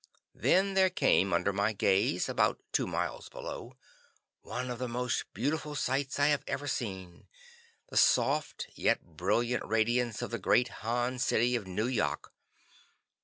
Then there came under my gaze, about two miles below, one of the most beautiful sights I have ever seen; the soft, yet brilliant, radiance of the great Han city of Nu yok.